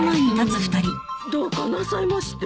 どうかなさいまして？